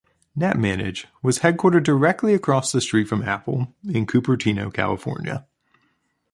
NetManage was headquartered directly across the street from Apple in Cupertino, California.